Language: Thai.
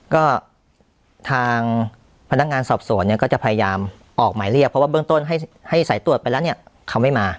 ก็ทางพนักงานสอบสวนเนี่ยก็จะพยายามออกหมายเรียกเพราะว่าเบื้องต้นให้สายตรวจไปแล้วเนี่ยเขาไม่มา